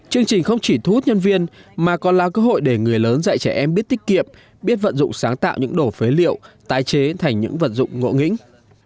chương trình không chỉ thu hút nhân viên mà còn là cơ hội để người lớn dạy trẻ em biết tiết kiệm biết vận dụng sáng tạo những đổ phế liệu tái chế thành những vật dụng ngộ nghĩnh